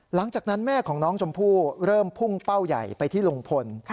หลังจากนั้นแม่ของน้องชมพู่เริ่มพุ่งเป้าใหญ่ไปที่ลุงพล